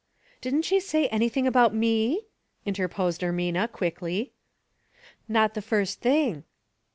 " Didn't she say anything about me ?" inter posed Ermina, quickly. '' Not the first thing."